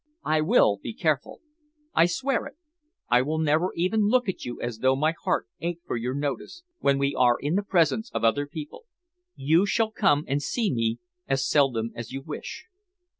I will be careful. I swear it. I will never even look at you as though my heart ached for your notice, when we are in the presence of other people. You shall come and see me as seldom as you wish.